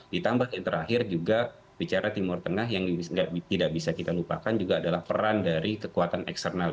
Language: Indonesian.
ditambah yang terakhir juga bicara timur tengah yang tidak bisa kita lupakan juga adalah peran dari kekuatan eksternal